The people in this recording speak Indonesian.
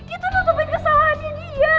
itu nutupin kesalahannya dia